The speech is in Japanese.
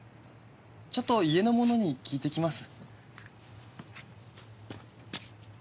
ちょっと家の者に聞いてきます。